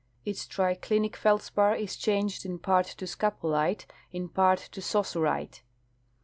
Its triclinic feldspar is changed in part to scapolite, in part to saussurite.